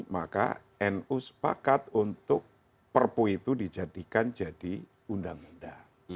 maka nu sepakat untuk perpu itu dijadikan jadi undang undang